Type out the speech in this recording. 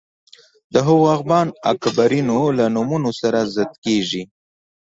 د هغو افغان اکابرینو له نومونو سره ضد کېږي